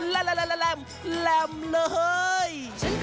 ลับล้ำล้ำเลย